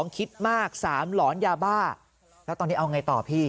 คิดมาก๓หลอนยาบ้าแล้วตอนนี้เอาไงต่อพี่